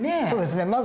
そうですね。